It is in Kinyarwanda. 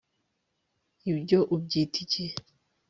Ibyo ubyita iki